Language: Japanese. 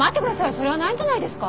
それはないんじゃないですか？